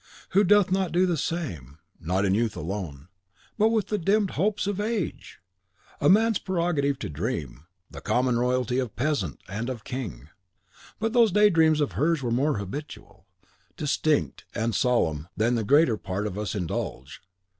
Who doth not do the same, not in youth alone, but with the dimmed hopes of age! It is man's prerogative to dream, the common royalty of peasant and of king. But those day dreams of hers were more habitual, distinct, and solemn than the greater part of us indulge.